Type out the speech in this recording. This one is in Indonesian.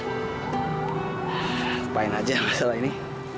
kupain aja masalah ini